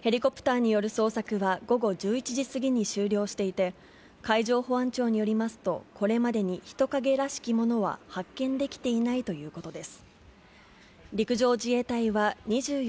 ヘリコプターによる捜索は、午後１１時過ぎに終了していて、海上保安庁によりますと、これまでに人影らしきものは発見できてありがとうございます！